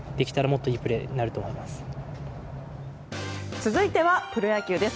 続いてはプロ野球です。